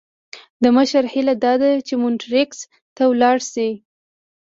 د مشر هیله داده چې مونټریکس ته ولاړ شي.